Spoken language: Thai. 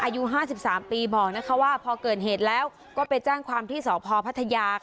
อายุห้าสิบสามปีบอกนะคะว่าพอเกิดเหตุแล้วก็ไปจ้างความที่สอบพอพัทยาค่ะ